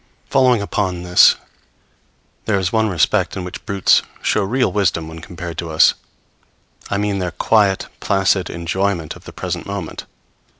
Following upon this, there is one respect in which brutes show real wisdom when compared with us I mean, their quiet, placid enjoyment of the present moment.